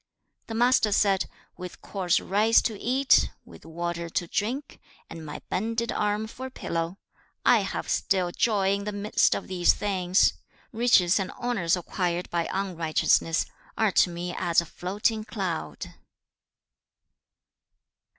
The Master said, 'With coarse rice to eat, with water to drink, and my bended arm for a pillow; I have still joy in the midst of these things. Riches and honours acquired by unrighteousness, are to me as a floating cloud.'